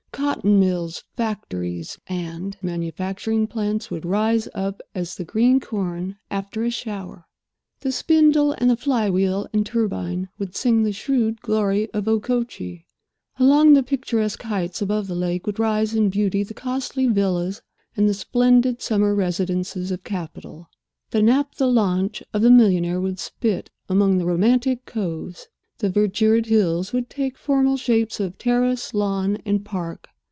Cotton mills, factories, and manufacturing plants would rise up as the green corn after a shower. The spindle and the flywheel and turbine would sing the shrewd glory of Okochee. Along the picturesque heights above the lake would rise in beauty the costly villas and the splendid summer residences of capital. The naphtha launch of the millionaire would spit among the romantic coves; the verdured hills would take formal shapes of terrace, lawn, and park.